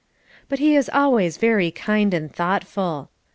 But he is always very kind and thoughtful.